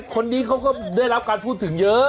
คนนี้เขาก็ได้รับการพูดถึงเยอะ